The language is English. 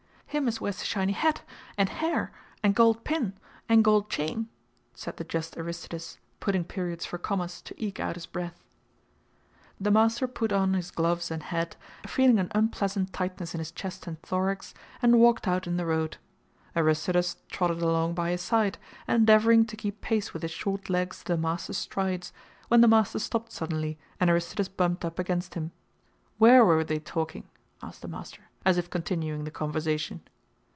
"Him as wears the shiny hat. And hair. And gold pin. And gold chain," said the just Aristides, putting periods for commas to eke out his breath. The master put on his gloves and hat, feeling an unpleasant tightness in his chest and thorax, and walked out in the road. Aristides trotted along by his side, endeavoring to keep pace with his short legs to the master's strides, when the master stopped suddenly, and Aristides bumped up against him. "Where were they talking?" asked the master, as if continuing the conversation.